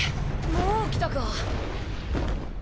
もう来たか。